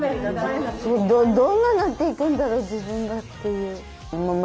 どんななっていくんだろう自分がっていう。